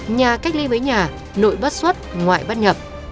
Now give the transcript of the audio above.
nhà cách ly với nhà nội bất xuất ngoại bắt nhập